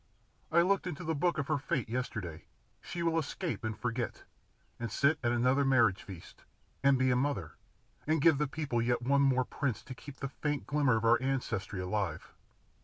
I looked into the book of her fate yesterday. She will escape, and forget, and sit at another marriage feast, and be a mother, and give the people yet one more prince to keep the faint glimmer of our ancestry alive.